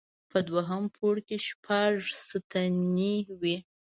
په دوهم پوړ کې شپږ ستنې وې.